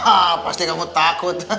ah pasti kamu takut